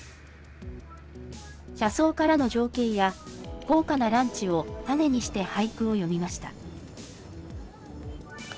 車窓からの情景や、豪華なランチをタネにして俳句を詠みました。